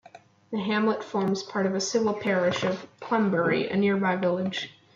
The hamlet forms part of the civil parish of Clunbury, a nearby village.